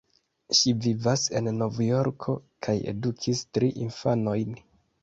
Ŝi vivas en Novjorko kaj edukis tri infanojn.